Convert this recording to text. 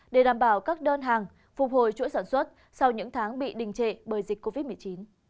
để đảm bảo các đơn hàng phục hồi chuỗi sản xuất sau những tháng bị đình trệ bởi dịch covid một mươi chín